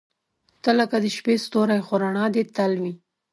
• ته لکه د شپې ستوری، خو رڼا دې تل وي.